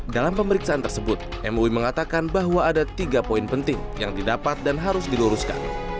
dalam pemeriksaan tersebut mui mengatakan bahwa ada tiga poin penting yang didapat dan harus diluruskan